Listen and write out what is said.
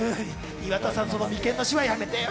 岩田さん、その眉間のしわ、やめてよ。